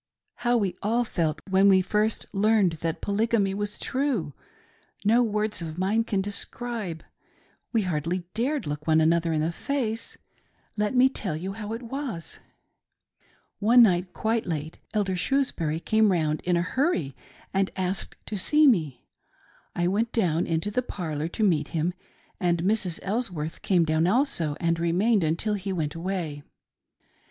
How we all felt IS'O HOW THE SAI'NTS IN ENGLANt) RECEI'i'feD POLYGAMY. when we first learned that Polygamy was tfue, no words of mine can describe ; we hardly dared look one another in the face. Let me tell you how it was. One night, quite late, Elder Shrewsbury came round in a hurry, and asked to see me. I went down into the parlour to meet him, and Mrs. Elsworth came down also, and remained until he went away.